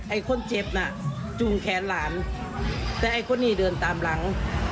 ไอ้คนเจ็บน่ะจุงแขนหลานแต่ไอ้คนนี้เดินตามหลัง